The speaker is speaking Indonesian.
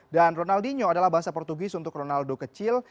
dan ronaldinho adalah bahasa portugis untuk ronaldo kecil